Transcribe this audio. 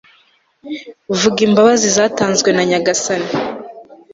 vuga imbabazi zatanzwe na nyagasani